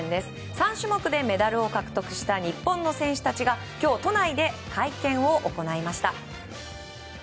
３種目でメダルを獲得した日本の選手たちが今日、都内で会見を行いました。